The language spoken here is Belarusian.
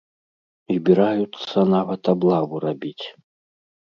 Збіраюцца нават аблаву рабіць.